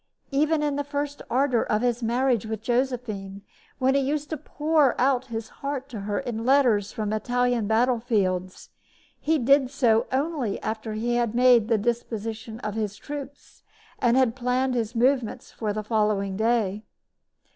Even in the first ardor of his marriage with Josephine, when he used to pour out his heart to her in letters from Italian battle fields, he did so only after he had made the disposition of his troops and had planned his movements for the following day.